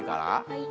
はい。